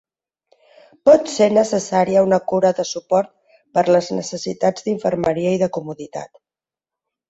Pot ser necessària una cura de suport per les necessitats d'infermeria i de comoditat.